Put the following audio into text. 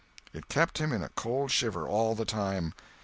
It kept him in a cold shiver all the time.